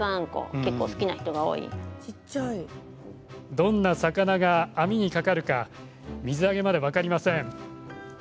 どんな魚が網にかかるか水揚げまで分かりません。